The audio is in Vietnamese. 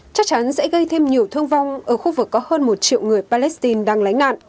chắc chắn sẽ gây thêm nhiều thương vong ở khu vực có hơn một triệu người palestine đang lánh nạn